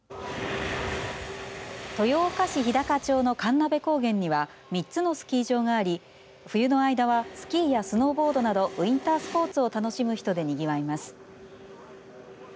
豊岡市日高町の神鍋高原には３つのスキー場があり、冬の間はスキーやスノーボードなどウインタースポーツを楽しむ人でにぎわいます。